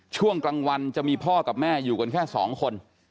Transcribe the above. ช่วงกลางวันจะมีพ่อกับแม่อยู่กันแค่สองคน